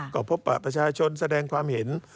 ก็พบปะประชาชนแสดงความเห็น